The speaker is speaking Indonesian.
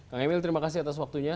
kang emil terima kasih atas waktunya